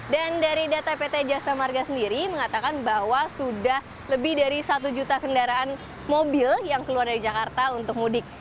dan dari data pt jasa marga sendiri mengatakan bahwa sudah lebih dari satu juta kendaraan mobil yang keluar dari jakarta untuk mudik